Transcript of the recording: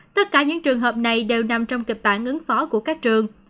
tất cả những trường hợp này đều nằm trong kịch bản ứng phó của các trường